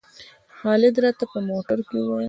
خالد راته په موټر کې وویل.